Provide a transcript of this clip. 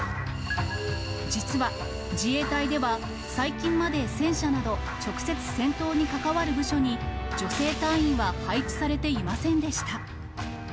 実は、自衛隊では最近まで戦車など、直接戦闘に関わる部署に、女性隊員は配置されていませんでした。